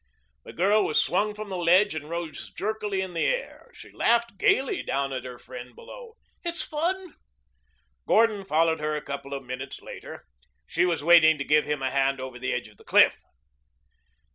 The girl was swung from the ledge and rose jerkily in the air. She laughed gayly down at her friend below. "It's fun." Gordon followed her a couple of minutes later. She was waiting to give him a hand over the edge of the cliff.